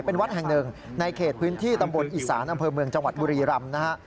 เป็นวัดแห่งหนึ่งในเขตพื้นที่ตำบลอีสานอำเภอเมืองจังหวัดบุรีรำนะฮะ